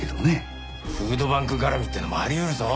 フードバンク絡みっていうのもあり得るぞ。